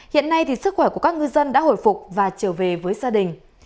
hiện nay sức khỏe của các ngư dân đã hồi phục và trở về với gia đình